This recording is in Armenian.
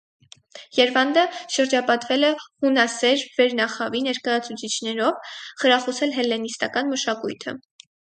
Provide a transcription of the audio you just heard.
Երվանդը շրջապատվել է հունասեր վերնախավի ներկայացուցիչներով, խրախուսել հելլենիստական մշակույթը։